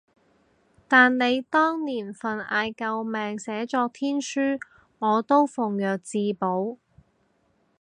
但你當年份嗌救命寫作天書，我都奉若至寶